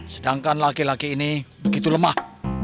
sedangkan laki laki ini begitu lemah